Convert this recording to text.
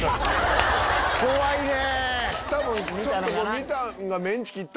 怖いね！